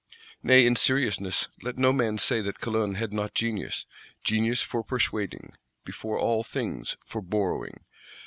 Nay, in seriousness, let no man say that Calonne had not genius: genius for Persuading; before all things, for Borrowing.